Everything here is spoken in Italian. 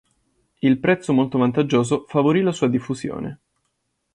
Il prezzo molto vantaggioso favorì la sua diffusione.